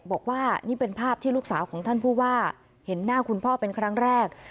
บอกว่านี่เป็นภาพที่ลูกสาวของท่านผู้ว่าเห็นหน้าคุณพ่อเป็นครั้งแรก